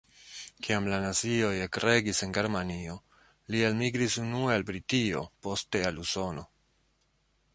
Kiam la nazioj ekregis en Germanio, li elmigris unue al Britio, poste al Usono.